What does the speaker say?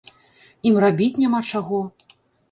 Ім рабіць няма чаго?